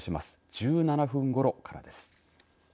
１７分ごろからです。